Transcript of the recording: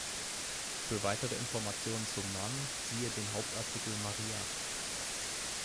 Für weitere Informationen zum Namen siehe den Hauptartikel Maria.